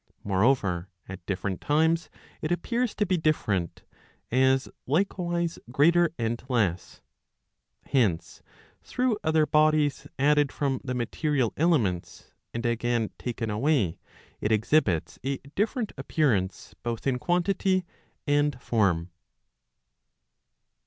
Moreover, at different times it appears to be different, as likewise greater and less. Hence, through other bodies added from the material elements, and again taken away, it exhibits a different appearance both in quantity and form.